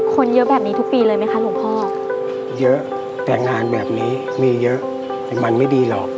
คนเยอะแบบนี้ทุกปีเลยไหมคะหลวงพ่อเยอะแต่งงานแบบนี้มีเยอะแต่มันไม่ดีหรอก